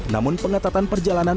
namun pengetatan perjalanan